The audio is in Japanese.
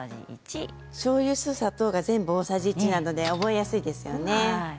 しょうゆ、酢、砂糖が全部大さじ１なので覚えやすいですよね。